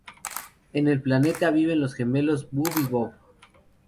En el planeta viven los gemelos Bub y Bob.